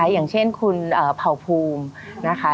อย่างเช่นคุณเผ่าภูมินะคะ